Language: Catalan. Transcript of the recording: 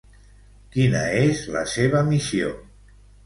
Quina és la seva missió?